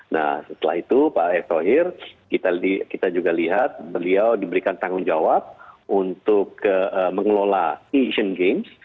nah setelah itu pak erick thohir kita juga lihat beliau diberikan tanggung jawab untuk mengelola asian games